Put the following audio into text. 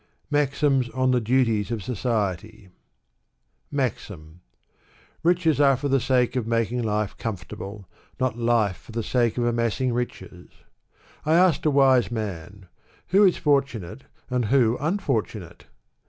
Maxims on the Duties of SoaETV. MAXIM. Riches are for the sake of making life comfortable, not life for the sake of amassing riches. I asked a wise man, '' Who is fortunate and who unfortunate?"